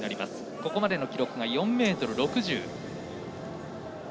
ここまでの記録が４ｍ６０。